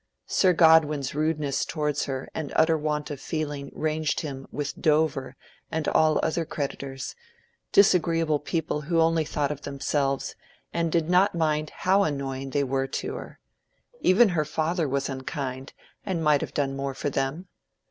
Sir Godwin's rudeness towards her and utter want of feeling ranged him with Dover and all other creditors—disagreeable people who only thought of themselves, and did not mind how annoying they were to her. Even her father was unkind, and might have done more for them.